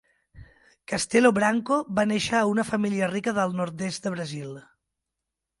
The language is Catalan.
Castelo Branco va néixer a una família rica del nord-est de Brasil.